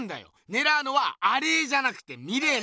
ねらうのはアレーじゃなくてミレーな。